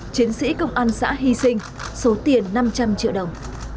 chiến sĩ công an xã hy sinh số tiền năm trăm linh triệu đồng